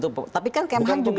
tapi kan kem han juga